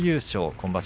今場所